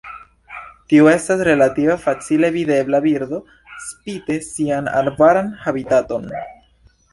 Tiu estas relative facile videbla birdo, spite sian arbaran habitaton.